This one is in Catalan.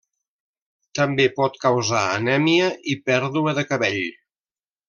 També pot causar anèmia i pèrdua de cabell.